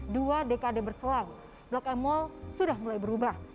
dua dekade berselang blok m mall sudah mulai berubah